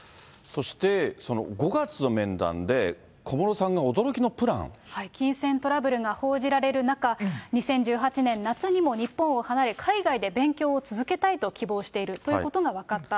そして５月の面談で、金銭トラブルが報じられる中、２０１８年夏にも日本を離れ、海外で勉強を続けたいと希望しているということが分かった。